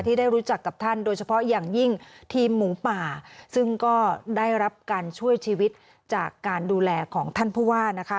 ได้รู้จักกับท่านโดยเฉพาะอย่างยิ่งทีมหมูป่าซึ่งก็ได้รับการช่วยชีวิตจากการดูแลของท่านผู้ว่านะคะ